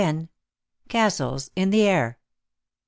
CASTLES IN THE AIR.